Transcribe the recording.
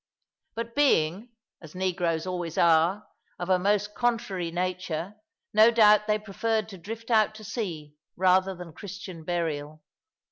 But being, as negroes always are, of a most contrary nature, no doubt they preferred to drift out to sea rather than Christian burial.